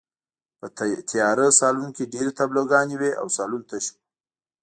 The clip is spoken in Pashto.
په تیاره سالون کې ډېرې تابلوګانې وې او سالون تش و